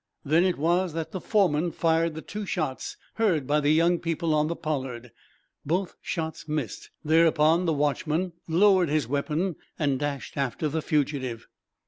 Then it was that the foreman fired the two shots heard by the young people on the "Pollard." Both shots missed. Thereupon, the watchman lowered his weapon and dashed after the fugitive.